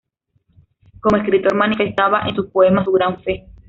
Como escritor manifestaba en sus poemas su gran fe.